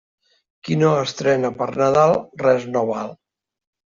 Qui no estrena per Nadal, res no val.